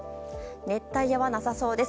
熱帯夜はなさそうです。